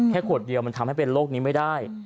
ขวดเดียวมันทำให้เป็นโรคนี้ไม่ได้